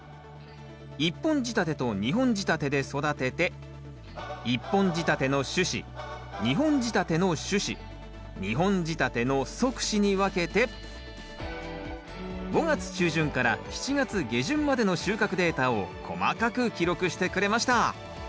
１本仕立てと２本仕立てで育てて１本仕立ての主枝２本仕立ての主枝２本仕立ての側枝に分けて５月中旬から７月下旬までの収穫データを細かく記録してくれました。